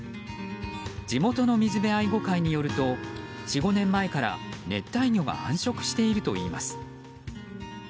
地元の水辺愛護会によると４５年前から熱帯魚が繁殖しているといいます。